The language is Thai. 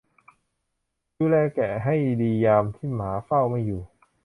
ดูแลแกะให้ดียามที่หมาเฝ้าไม่อยู่